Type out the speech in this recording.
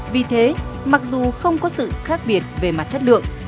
vì thế mặc dù không có sự khác biệt về mặt chất lượng